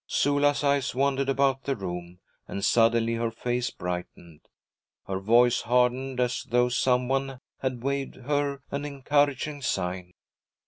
Sula's eyes wandered about the room, and suddenly her face brightened. Her voice hardened as though some one had waved her an encouraging sign.